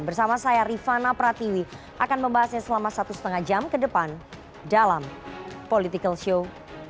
bersama saya rifana pratiwi akan membahasnya selama satu lima jam ke depan dalam political show